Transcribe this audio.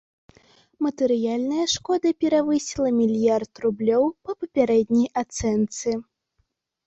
Матэрыяльная шкода перавысіла мільярд рублёў па папярэдняй ацэнцы.